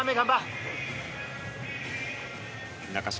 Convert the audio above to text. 中島